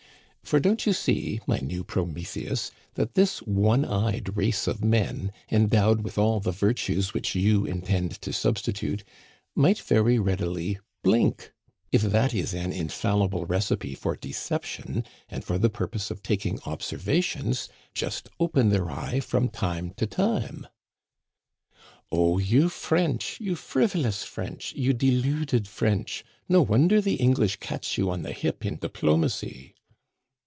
For, don't you see, my new Prometheus, that this one eyed race of men, endowed with all the virtues which you intend to substitute, might very readily blink, if that is an infallible recipe for deception, and for the purpose of taking observations just open their eye from time to time." " Oh, you French, you frivolous French, you deluded French, no wonder the English catch you on the hip in diplomacy